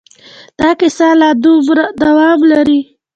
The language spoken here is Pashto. دا کیسه لا دوام لري.